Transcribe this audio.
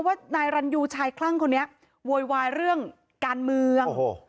ว่านายรันยูชายคลั่งคนนี้โวยวายเรื่องการเมืองโอ้โห